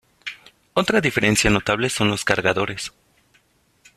Otra diferencia notable son los cargadores.